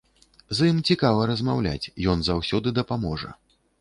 З ім цікава размаўляць, ён заўсёды дапаможа.